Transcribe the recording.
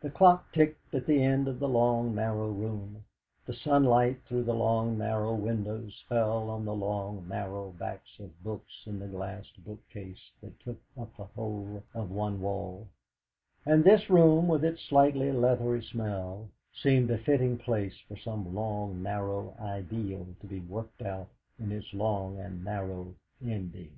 The clock ticked at the end of the long, narrow room; the sunlight through the long, narrow windows fell on the long, narrow backs of books in the glassed book case that took up the whole of one wall; and this room, with its slightly leathery smell, seemed a fitting place for some long, narrow ideal to be worked out to its long and narrow ending.